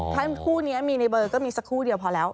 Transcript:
ถ้าคู่นี้มีในเบอร์ก็มีสักครู่เดียวพอแล้ว